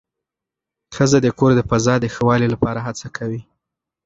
ښځه د کور د فضا د ښه والي لپاره هڅه کوي